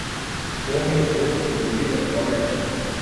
Homem fofo, bebida forte